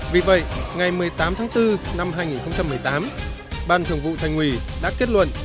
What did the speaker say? vì vậy ngày một mươi tám tháng bốn năm hai nghìn một mươi tám ban thường vụ thành ủy đã kết luận